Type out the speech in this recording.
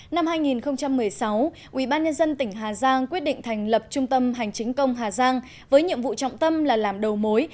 năm hai nghìn một mươi sáu ubnd tỉnh hà giang quyết định thành lập trung tâm hành chính công hà giang với nhiệm vụ trọng tâm là làm đầu mối